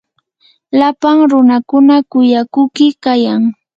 lapan runakuna kuyakuqi kayan.